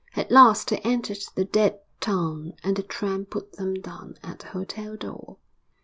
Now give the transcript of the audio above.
At last they entered the dead town, and the tram put them down at the hotel door.